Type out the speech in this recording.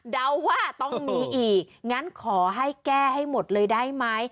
เดาว่าต้องมีอีกงั้นขอให้แก้ให้หมดเลยได้ไหม